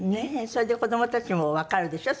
それで子どもたちもわかるでしょ？